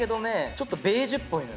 ちょっとベージュっぽいのよ。